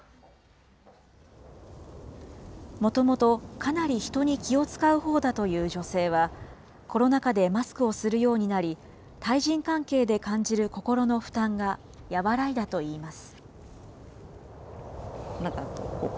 もともとかなり人に気を遣うほうだという女性は、コロナ禍でマスクをするようになり、対人関係で感じる心の負担が和らいだといいます。